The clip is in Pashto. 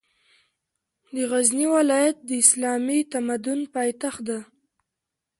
د غزني ولایت د اسلامي تمدن پاېتخت ده